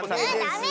ダメ！